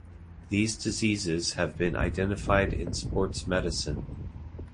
These diseases have also been identified in sports medicine.